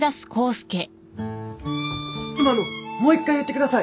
今のもう一回言ってください！